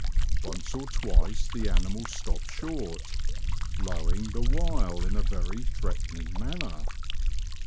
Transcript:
Once or twice the animal stopped short, lowing the while in a yery threatening manner.